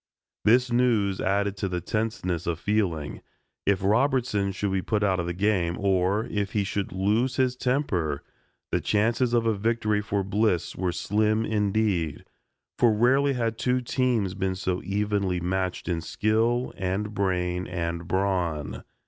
This news added to the tenseness of feeling. If Robertson should be put out of the game, or if he should lose his temper the chances of a victory for Bliss were slim indeed, for rarely had two teams been so evenly matched in skill and brain and brawn.